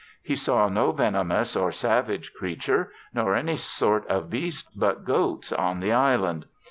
He saw no venomous or savage creature, nor any sort of beast but goats on the Island.